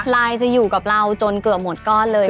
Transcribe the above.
ลายจะอยู่กับเราจนเกือบหมดก้อนเลย